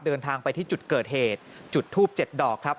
เดินทางไปที่จุดเกิดเหตุจุดทูบ๗ดอกครับ